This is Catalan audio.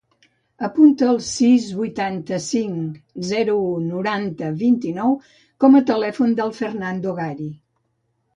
Apunta el sis, vuitanta-cinc, zero, u, noranta, vint-i-nou com a telèfon del Fernando Gari.